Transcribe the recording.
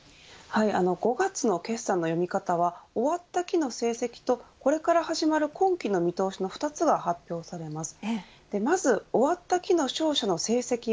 ５月の決算の読み方は終わった期の成績とこれから始まる今期の見通しの２つが発表されます。